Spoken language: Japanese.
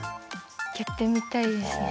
やってみたいですね。